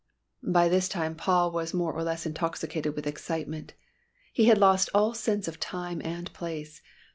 By this time Paul was more or less intoxicated with excitement, he had lost all sense of time and place.